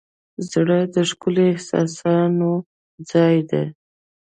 زړه د ښکلي احساسونو ځای دی.